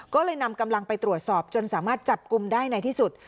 ก็เลยนำกำลังไปตรวจสอบจนสามารถจับกลุ่มได้ในที่สุด